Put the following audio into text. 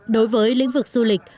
đối với lĩnh vực du lịch